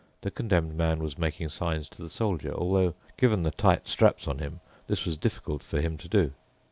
The Condemned Man was making signs to the Soldier, although, given the tight straps on him, this was difficult for him to do.